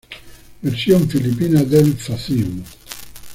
Versión filipina del fascismo.